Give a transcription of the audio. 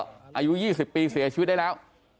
อายุ๒๐ปีเสียชีวิตได้แล้ว